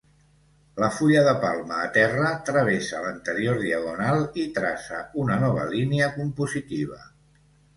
La fulla de palma a terra travessa l'anterior diagonal i traça una nova línia compositiva.